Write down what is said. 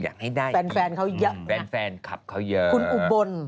อยากให้ได้แฟนแฟนเขาเยอะแฟนแฟนคลับเขาเยอะคุณอุบล